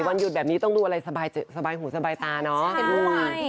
วันหยุดแบบนี้ต้องดูอะไรสบายสบายหูสบายตาเนอะ